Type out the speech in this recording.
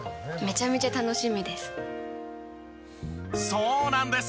そうなんです！